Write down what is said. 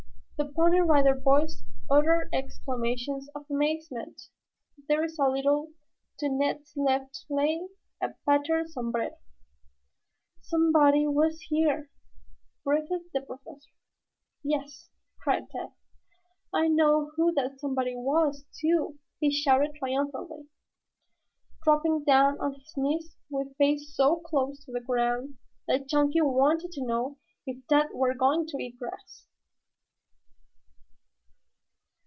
The Pony Rider Boys uttered exclamations of amazement. There a little to Ned's left lay a battered sombrero. "Somebody was here," breathed the Professor. "Yes!" cried Tad. "I know who that somebody was, too," he shouted triumphantly, dropping down on his knees with face so close to the ground that Chunky wanted to know if Tad were going to eat grass.